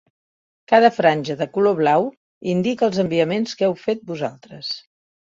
Cada franja de color blau indica els enviaments que heu fet vosaltres.